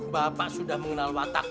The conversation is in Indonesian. bapak sudah mengenal watak